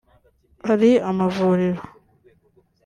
ari amavuriro